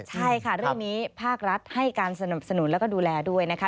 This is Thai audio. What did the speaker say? ใช่ค่ะเรื่องนี้ภาครัฐให้การสนับสนุนแล้วก็ดูแลด้วยนะคะ